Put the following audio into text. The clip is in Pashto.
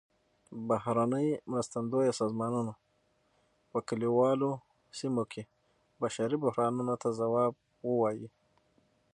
بهرنۍ مرستندویه سازمانونه په کلیوالو سیمو کې بشري بحرانونو ته ځواب ووايي.